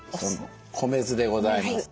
米酢でございます。